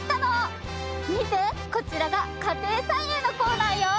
見てこちらが家庭菜園のコーナーよ。